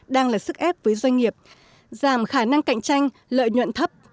đang là sức ép với doanh nghiệp giảm khả năng cạnh tranh lợi nhuận thấp